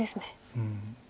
うん。